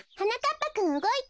ぱくんうごいた。